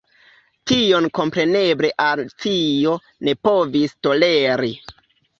Tion kompreneble Alicio ne povis toleri.